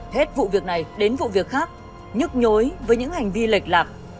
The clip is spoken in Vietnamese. hết vụ việc này đến vụ việc khác nhức nhối với những hành vi lệch lạc